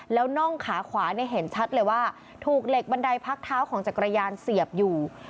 แล้วน่องขาขวาเห็นชัดเลยว่าถูกเหล็กบันไดพักเท้าของจักรยานเสียบอยู่